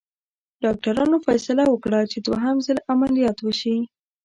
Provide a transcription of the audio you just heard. ډاکټرانو فیصله وکړه چې دوهم ځل عملیات وشي.